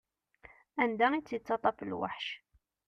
Anda i tt-yettaṭṭaf lweḥc.